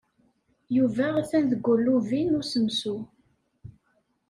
Yuba atan deg ulubi n usensu.